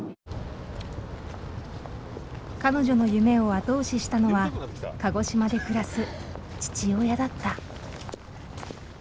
彼女の夢を後押ししたのは鹿児島で暮らす父親だった。